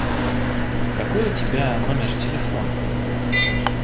Какой у тебя номер телефона?